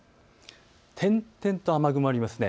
点々と雨雲がありますね。